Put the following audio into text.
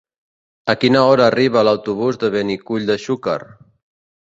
A quina hora arriba l'autobús de Benicull de Xúquer?